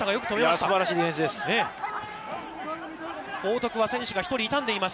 すばらしいディフェンスです。